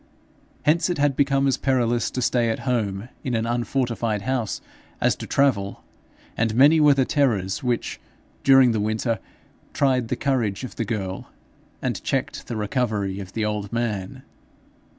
Hence it had become as perilous to stay at home in an unfortified house as to travel; and many were the terrors which during the winter tried the courage of the girl, and checked the recovery of the old man.